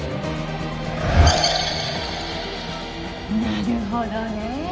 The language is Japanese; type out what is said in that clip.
なるほどね。